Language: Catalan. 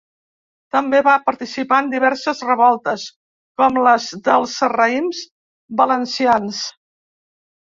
També va participar en diverses revoltes, com les dels sarraïns valencians.